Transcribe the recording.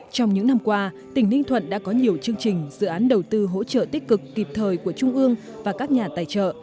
trong những năm qua tỉnh ninh thuận đã có nhiều chương trình dự án đầu tư hỗ trợ tích cực kịp thời của trung ương và các nhà tài trợ